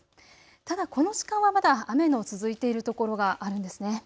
ただこの時間はまだ雨の続いているところがあるんですね。